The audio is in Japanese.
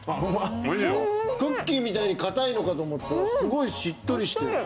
クッキーみたいに硬いのかと思ったらすごいしっとりしてる。